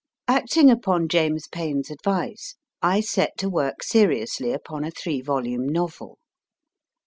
Acting upon James Payn s advice, I set to work seriously upon a three volume novel.